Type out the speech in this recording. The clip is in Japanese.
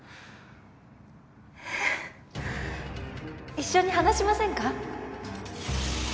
一緒に話しませんか？